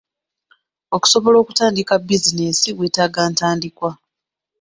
Okusobola okutandika bizinensi weetaaga entandikwa.